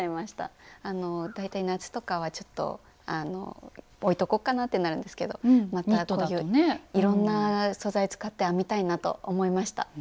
大体夏とかはちょっと置いとこっかなってなるんですけどまたこういういろんな素材使って編みたいなと思いました。